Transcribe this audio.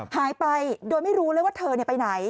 หายไปโดยไม่รู้เลยว่าเธอไปไหน